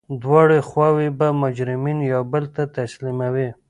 دواړه خواوي به مجرمین یو بل ته تسلیموي.